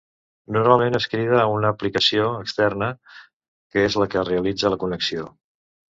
Normalment es crida a una aplicació externa que és la que realitza la connexió.